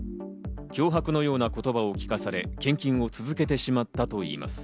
脅迫のような言葉を聞かされ、献金を続けてしまったといいます。